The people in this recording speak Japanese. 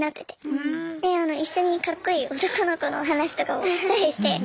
で一緒にかっこいい男の子の話とかをしたりして。